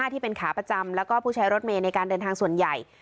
ที่เป็นขาประจำแล้วก็ผู้ใช้รถเมย์ในการเดินทางส่วนใหญ่